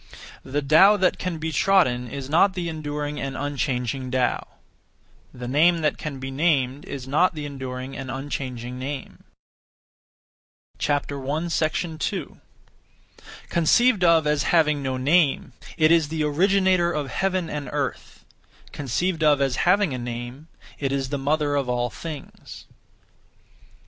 The Tao that can be trodden is not the enduring and unchanging Tao. The name that can be named is not the enduring and unchanging name. 2. (Conceived of as) having no name, it is the Originator of heaven and earth; (conceived of as) having a name, it is the Mother of all things.